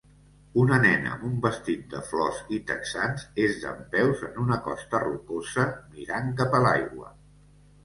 Una nena amb un vestit de flors i texans és dempeus en una costa rocosa mirant cap a l'aigua.